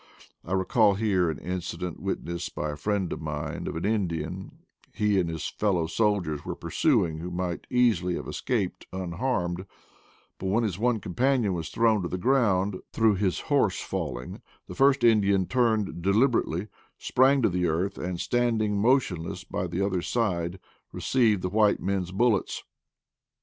I recall here an incident witnessed by a friend of mine of an Indian he and his fellow soldiers were pursuing who might easily have escaped unharmed; but when his one companion was thrown to the ground through his horse fall ing, the first Indian turned deliberately, sprang to the earth, and, standing motionless by the other's side, received the white men's bullets.